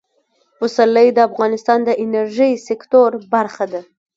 پسرلی د افغانستان د انرژۍ سکتور برخه ده.